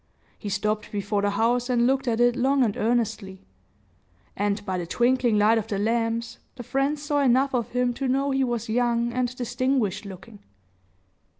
He stopped before the house and looked at it long and earnestly; and, by the twinkling light of the lamps, the friends saw enough of him to know he was young and distinguished looking.